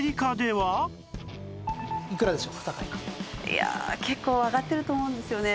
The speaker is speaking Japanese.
いや結構上がってると思うんですよね。